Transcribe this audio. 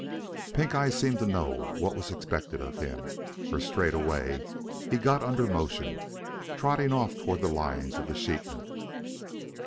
Pink eye seemed to know what was expected of him, for straightway he got under motion, trotting off toward the lines of the sheepmen.